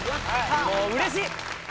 もううれしい！